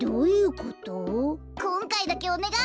こんかいだけおねがい！